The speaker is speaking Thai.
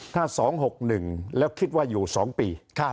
ถ้า๒๖๑แล้วคิดว่าอยู่๒ปี